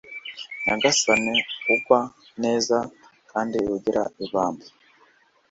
Nyagasani wowe ugwa neza kandi ukagira ibambe